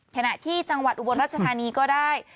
ขณะที่จังหวัดอุบลรัชธานีก็ได้